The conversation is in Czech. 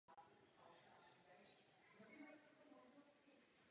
Poslední dva závody roku nedokončil.